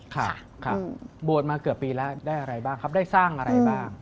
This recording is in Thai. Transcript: ครับบวชมาเกือบปีแล้วได้อะไรบ้างครับได้สร้างอะไรบ้าง